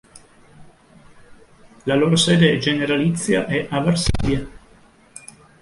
La loro sede generalizia è a Varsavia.